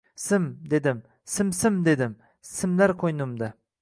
“Sim, dedim, sim-sim, dedim, simlar qo’ynimda